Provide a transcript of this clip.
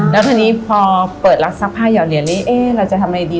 แล้วทีนี้พอเปิดรักซักผ้าหยอดเหรียญนี้เราจะทำอะไรดี